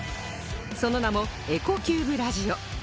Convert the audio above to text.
その名もエコキューブラジオ